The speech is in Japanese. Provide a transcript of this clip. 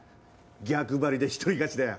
逆張りで独り勝ちだよ。